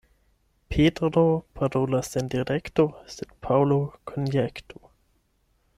Petro parolas sen direkto, sed Paŭlo konjektu.